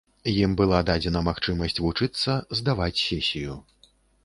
Ім была дадзена магчымасць вучыцца, здаваць сесію.